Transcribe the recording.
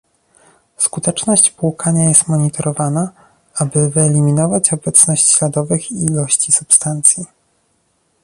Skuteczność płukania jest monitorowana, aby wyeliminować obecność śladowych ilości substancji